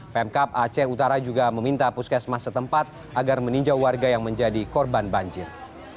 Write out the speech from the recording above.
pemkap aceh utara juga meminta puskesmas setempat agar meninjau warga yang menjadi korban banjir